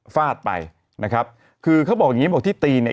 ฟาดไปนะครับคือเขาบอกอย่างงี้บอกที่ตีเนี่ย